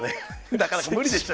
なかなか無理でしょ。